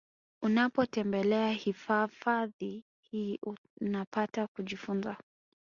Unapotembelea hifafadhi hii unapata kujifunza